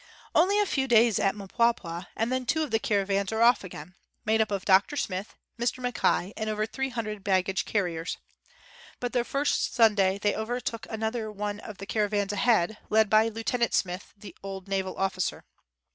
Only a few days at Mpwapwa and then two of the caravans are off again — made up of Dr. Smith, Mr. Mackay, and over three hundred baggage carriers. By their first Sunday, they overtook another of the car avans ahead, led by Lieutenant Smith, the old naval officer.